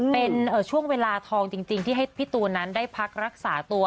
เป็นช่วงเวลาทองจริงที่ให้พี่ตูนนั้นได้พักรักษาตัว